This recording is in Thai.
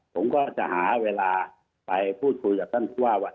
ผมก็จะหาเวลาไปพูดคุยกับท่านผู้ว่าว่า